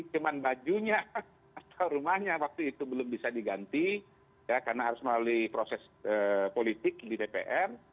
cuma bajunya atau rumahnya waktu itu belum bisa diganti ya karena harus melalui proses politik di dpr